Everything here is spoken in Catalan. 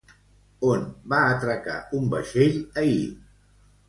On va atracar un vaixell ahir?